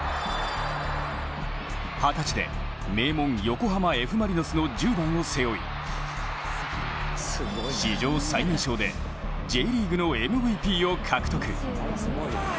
二十歳で名門横浜Ｆ・マリノスの１０番を背負い、史上最年少でＪリーグのＭＶＰを獲得。